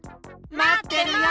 まってるよ！